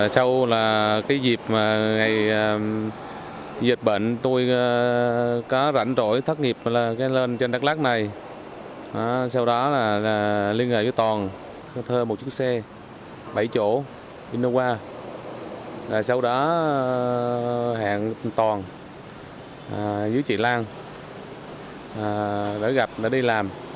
sau đó hẹn toàn với chị lan để gặp để đi làm